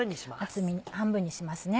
厚み半分にしますね。